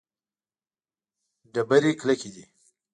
ډبرې کلکې دي.